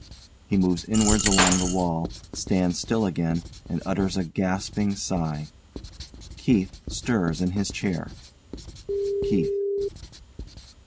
He moves inwards along the wall, stands still again and utters a gasping sigh. KEITH stirs in his chair.] KEITH.